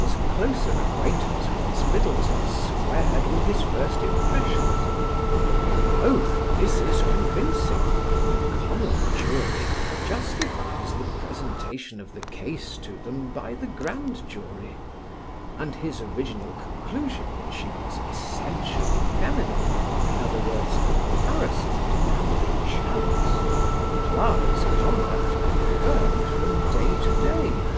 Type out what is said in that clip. His closer acquaintance with Miss Middleton squared with his first impressions; you know that this is convincing; the common jury justifies the presentation of the case to them by the grand jury; and his original conclusion that she was essentially feminine, in other words, a parasite and a chalice, Clara's conduct confirmed from day to day.